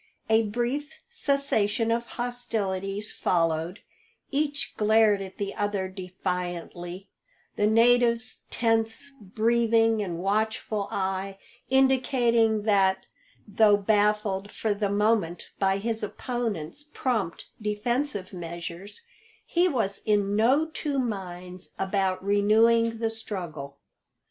A brief cessation of hostilities followed; each glared at the other defiantly, the native's tense breathing and watchful eye indicating that, though baffled for the moment by his opponents prompt defensive measures, he was in no two minds about renewing the struggle.